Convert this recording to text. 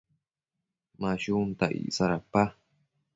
Ma shunta icsa dapa?